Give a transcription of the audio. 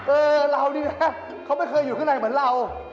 เออเรานี่นะเขาไม่เคยอยู่ข้างในเหมือนเรา